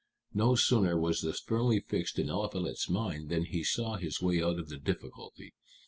No sooner was this firmly fixed in Eliphalet's mind than he saw his way out of the difficulty.